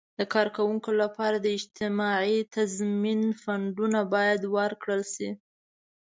د کارکوونکو لپاره د اجتماعي تضمین فنډونه باید ورکړل شي.